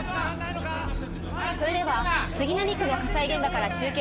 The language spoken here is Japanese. それでは杉並区の火災現場から中継です。